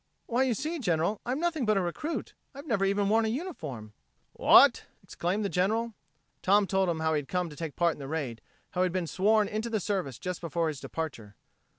"Why, you see, General, I'm nothing but a recruit, I've never even worn a uniform." "What?" exclaimed the General. Tom told him how he had come to take part in the raid, how he had been sworn into the service just before his departure.